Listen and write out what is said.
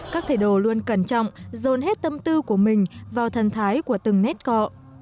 các thầy đồ luôn cẩn trọng dồn hết tâm tư của mình vào thần thái của từng nét cọ